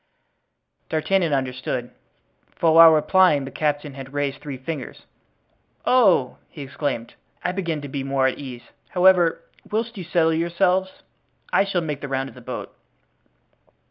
D'Artagnan understood, for while replying the captain had raised three fingers. "Oh!" he exclaimed, "I begin to be more at my ease, however, whilst you settle yourselves, I shall make the round of the boat."